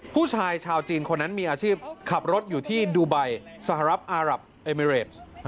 ผู้ชายชาวจีนคนนั้นมีอาชีพขับรถอยู่ที่ดูไบสหรัฐอารับเอมิเรส